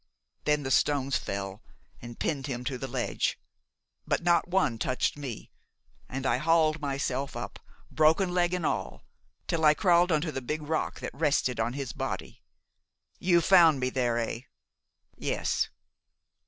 Then the stones fell, and pinned him to the ledge; but not one touched me, and I hauled myself up, broken leg and all, till I crawled on to the big rock that rested on his body. You found me there, eh?" "Yes."